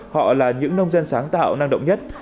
họ là những nông dân sáng tạo năng động nhất